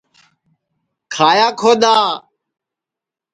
کھایا کھودؔا